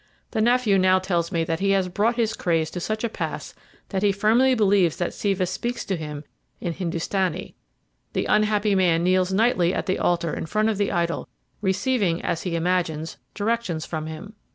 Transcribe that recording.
The nephew now tells me that he has brought his craze to such a pass that he firmly believes that Siva speaks to him in Hindustanee. The unhappy man kneels nightly at the altar in front of the idol, receiving, as he imagines, directions from him.